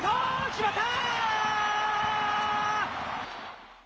決まった！